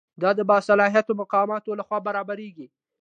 دا د باصلاحیته مقاماتو لخوا برابریږي.